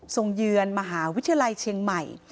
เยือนมหาวิทยาลัยเชียงใหม่